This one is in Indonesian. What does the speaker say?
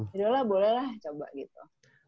ya udah lah boleh lah coba gitu